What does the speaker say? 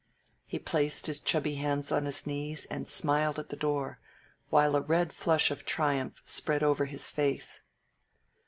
He placed his chubby hands on his knees and smiled at the door, while a red flush of triumph spread over his face.